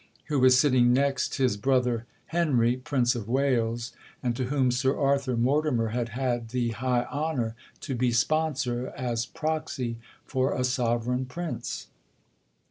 who was sitting next his brother Henry, Prince of Wales, and to whom Sir Arthur Mortimer had had the high honour to be sponsor, as proxy for a sovereign prince.